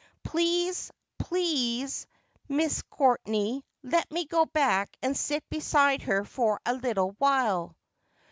Please, please, Miss Courtenay, let me go back and sit beside her for a little while.'